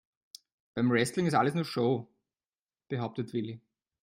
"Beim Wrestling ist alles nur Show", behauptet Willi.